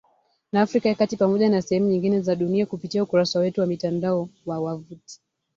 na Afrika ya kati Pamoja na sehemu nyingine za dunia kupitia ukurasa wetu wa mtandao wa wavuti